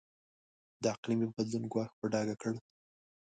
د اقلیمي بدلون ګواښ په ډاګه کړ.